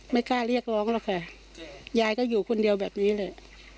ไม่กล้าเรียกร้องหรอกค่ะยายก็อยู่คนเดียวแบบนี้เลย